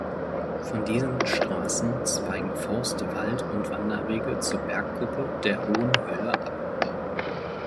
Von diesen Straßen zweigen Forst-, Wald- und Wanderwege zur Bergkuppe der Hohen Hölle ab.